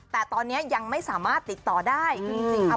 แต่ตอนนี้ยังไม่สามารถติดต่อได้คือจริงครับ